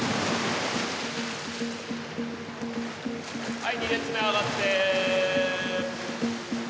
はい２列目上がって。